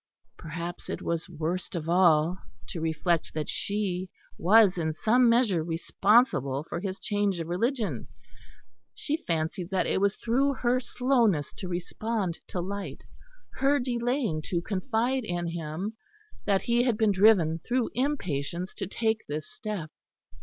Perhaps it was worst of all to reflect that she was in some measure responsible for his change of religion; she fancied that it was through her slowness to respond to light, her delaying to confide in him, that he had been driven through impatience to take this step.